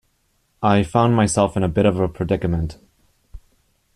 I found myself in a bit of a predicament.